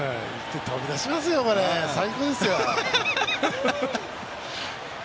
飛び出しますよ、最高ですよ。